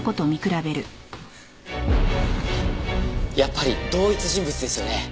やっぱり同一人物ですよね？